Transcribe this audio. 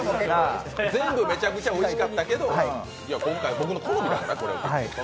全部めちゃくちゃおいしかったけど今回、僕の好みだと、これでした。